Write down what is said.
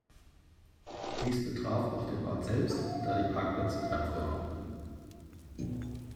Dies betraf auch den Ort selbst, da die Parkplätze knapp wurden.